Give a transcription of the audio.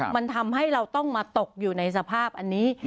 มันทำให้เราต้องมาตกอยู่ในสภาพอันนี้